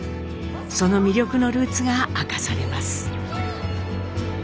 その魅力のルーツが明かされます。